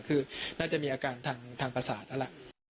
คือน่าจะมีอาการทางประสาทนั่นแหละ